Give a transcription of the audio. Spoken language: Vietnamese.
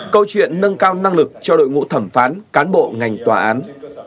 câu chuyện nâng cao năng lực cho đội ngũ thẩm phán cán bộ ngành tòa án